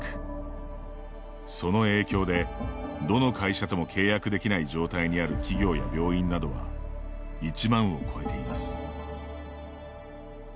その影響で、どの会社とも契約できない状態にある企業や病院などは１万を超えています。